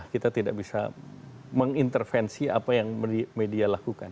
kita tidak bisa mengintervensi apa yang media lakukan